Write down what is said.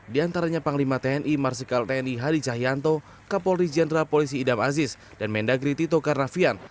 di antaranya panglima tni marsikal tni hadi cahyanto kapolri jenderal polisi idam aziz dan mendagri tito karnavian